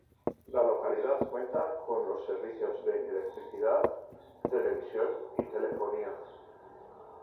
La localidad cuenta con los servicios de electricidad, televisión y telefonía.